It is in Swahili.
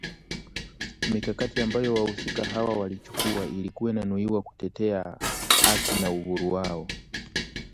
Mikakati ambayo wahusika hawa wake walichukua ilikuwa inanuiwa kutetea haki na uhuru wao